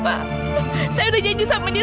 saya udah janji sama dia